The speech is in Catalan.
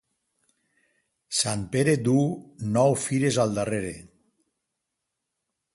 Sant Pere duu nou fires al darrere.